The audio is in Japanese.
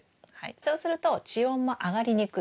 そうすると地温も上がりにくい。